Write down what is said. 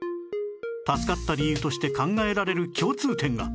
助かった理由として考えられる共通点が